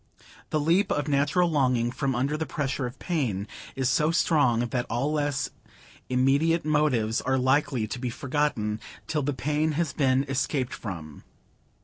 The leap of natural longing from under the pressure of pain is so strong, that all less immediate motives are likely to be forgotten—till the pain has been escaped from.